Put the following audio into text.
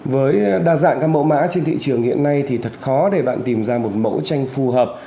với đa dạng các mẫu mã trên thị trường hiện nay thì thật khó để bạn tìm ra một mẫu tranh phù hợp